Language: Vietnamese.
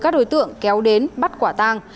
các đối tượng kéo đến bắt quả tàng